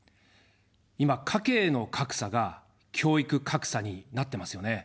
今、家計の格差が教育格差になってますよね。